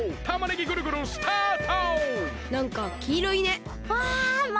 たまねぎぐるぐるスタート！